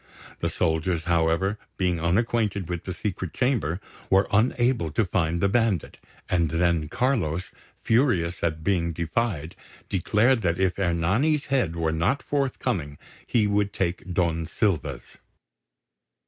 The soldiers, however, being unacquainted with the secret chamber, were unable to find the bandit; and then Carlos, furious at being defied, declared that if Ernani's head were not forthcoming he would take Don Silva's.